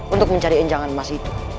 untuk mencari enjangan emas itu